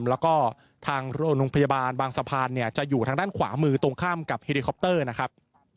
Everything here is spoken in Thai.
แล้วก็ทางโรงพยาบาลบางสะพานเนี่ยจะอยู่ทางด้านขวามือตรงข้ามกับเฮลิคอปเตอร์นะครับ